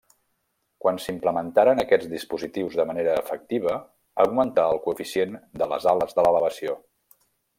Quan s'implementaren aquests dispositius de manera efectiva, augmentà el coeficient de les ales de l'elevació.